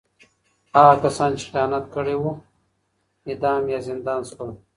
هغه کسان چې خیانت کړی و، اعدام یا زندان شول.